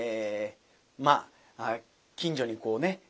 まあ近所にこうね